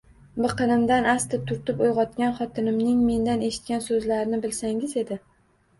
Biqinimdan asta turtib uyg'otgan xotinimning mendan eshitgan so'zlarini bilsangiz edi